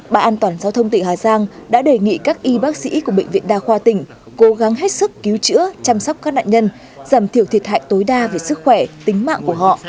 bà an toàn giao thông tỉnh hà giang đã đề nghị các y bác sĩ của bệnh viện đa khoa tỉnh cố gắng hết sức cứu chữa chăm sóc các nạn nhân giảm thiểu thiệt hại tối đa về sức khỏe tính mạng của họ